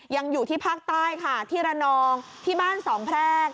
อยู่ที่ภาคใต้ค่ะที่ระนองที่บ้านสองแพรก